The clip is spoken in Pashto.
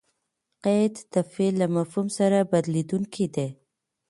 قید؛ د فعل له مفهوم سره بدلېدونکی دئ.